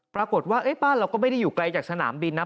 ปรากฏว่าบ้านเราก็ไม่ได้อยู่ไกลจากสนามบินนะ